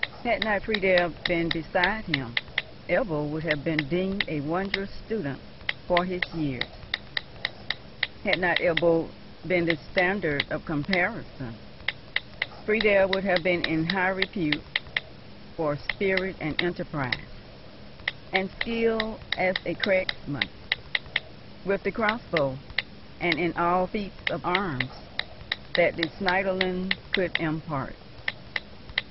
Had not Friedel been beside him, Ebbo would have been deemed a wondrous student for his years; had not Ebbo been the standard of comparison, Friedel would have been in high repute for spirit and enterprise and skill as a cragsman, with the crossbow, and in all feats of arms that the Schneiderlein could impart.